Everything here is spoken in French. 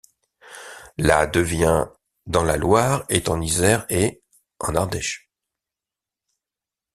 La devient ' dans la Loire et en Isère et ' en Ardèche.